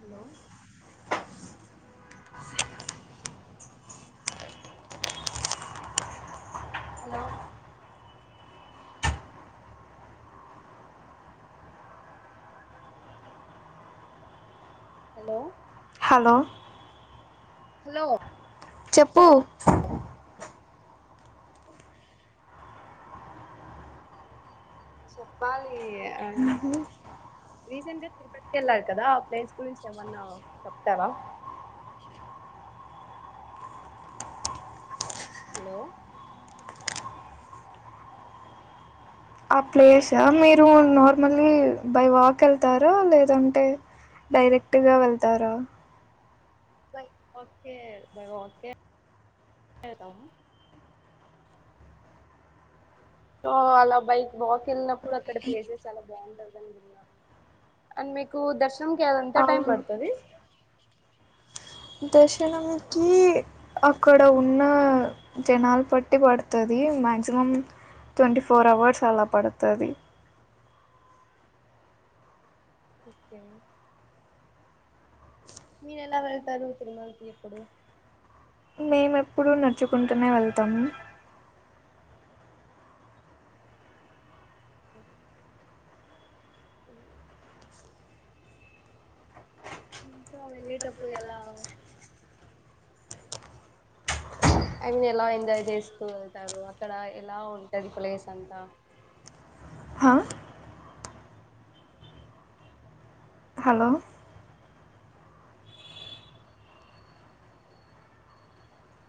Hello [unintelligible] [inaudible] hello hello hello hello చెప్పు ఓ [inaudible] చెప్పాలి ఆ రీసెంట్ గా తిరుపతికి వెళ్ళారు కదా ప్లేస్ గురించి ఏమన్నా చెప్తారా హలో ఆ ప్లేసా మీరు నార్మలీ బై వాక్ వెళ్తారా లేదంటే డైరెక్ట్గా వెళ్తారా బై వాక్ ఏ బై వాక్ ఏ ల్తామ్ సో అలా బైక్ వాక్ వెళ్ళినప్పుడు అక్కడ ప్లేసెస్ చాలా బాగుంటదనివీన్నాను అండ్ మీకు దర్ నంకెంత టైమ్ అవును పడుతది దర్శనంకి అక్కడ ఉన్న జనాలు పట్టి పడుతది మ్యాక్సిమం ట్వంటీ ఫోర్ అవర్స్ అలా పడుతది ఓకే మీరు ఎలా వెళ్తారు తిరుమలకి ఎప్పుడు ఎప్పుడు నడుచుకుంటూనే వెళ్తాము అ అ ఇంకా వెళ్ళేటప్పుడు ఎలా ఐ మీన్ ఎలా ఎంజాయ్ చేస్తూ వెళ్తారు అక్కడ ఎలా ఉంటది ప్లేస్ అంతా హా? హలో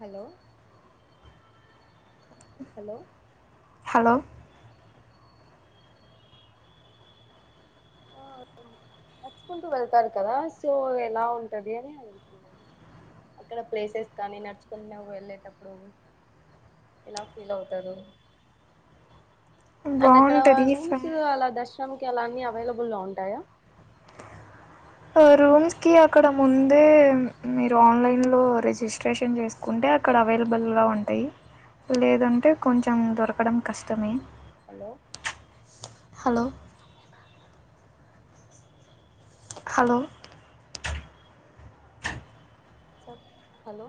హలో హలో హలో ఆ నడుచుకుంటూ వెళ్తారు కదా సో ఎలా ఉంటది అని అడుగుతున్నాను అక్కడ ప్లేసెస్ కానీ నడుచుకుంటూ వెళ్ళేటప్పుడు ఎలా ఫీల్ అవుతారు అండ్ అక్కడ బాగుంటుంది ఫ్యా రూమ్స్ అలా దష్ నం కేలా అన్ని అవైలబుల్లో ఉంటాయా ఆ రూమ్స్కి అక్కడ ముందే మీరు ఆన్లైన్లో రిజిస్ట్రేషన్ చేసుకుంటే అక్కడ అవైలబుల్గా ఉంటాయి లేదంటే కొంచెం దొరకడం కష్టమే hello hello hello sir hello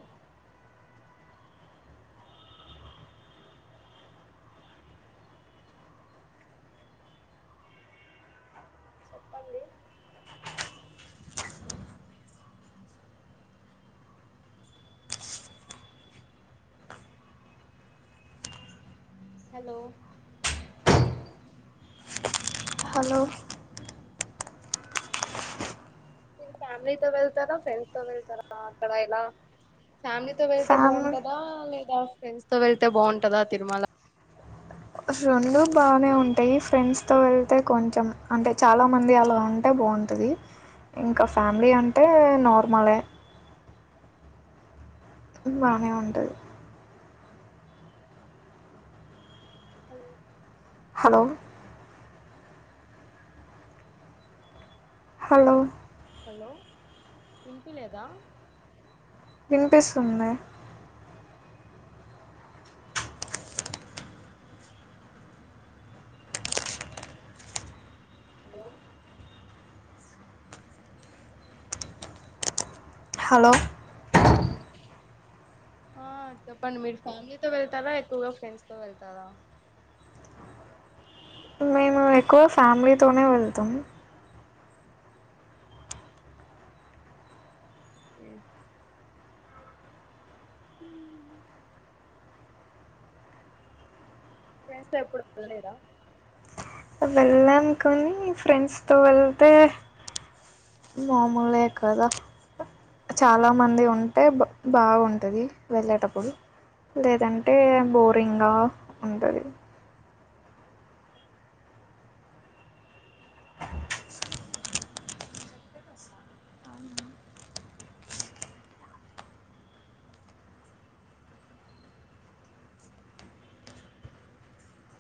చెప్పండి హలో హలో ఫ్యామిలీతో వెళ్తారా ఫ్రెండ్స్ తో వెళ్తారా అక్కడ ఏలా ఫ్యామిలీతో వెళ్తే ఫ్యామిలీ బాగుంటదా లేదా ఫ్రెండ్స్ తో వెళ్తే బాగుంటదా తిరుమల రెండు బానే ఉంటాయి ఫ్రెండ్స్తో వెళ్తే కొంచెం అంటే చాలామంది అలా ఉంటే బాగుంటుంది ఇంకా ఫ్యామిలీ అంటే నార్మలే బానే ఉంటది హలో హలో హలో హలో ఇనిపియి లేదా వినిపిస్తుంది మే హలో ఆ చెప్పండి మీరు ఫ్యామిలీతో వెళ్తారా ఎక్కువగా ఫ్రెండ్స్ తో వెళ్తారా మేము ఎక్కువ ఫ్యామిలీతోనే వెళ్తాం హ్ హ్ ఫ్రెండ్స్ తో ఎప్పుడు వెళ్ళలేదా వెళ్ళానుకని ఫ్రెండ్స్తో వెళ్తే మామూలే కదా చాలామంది ఉంటే బాగుంటుంది వెళ్ళేటప్పుడు లేదంటే బోరింగ్గా ఉంటది